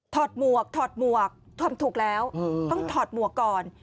หมวกถอดหมวกทำถูกแล้วต้องถอดหมวกก่อน